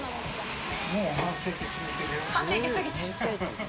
もう半世紀過ぎてるよ。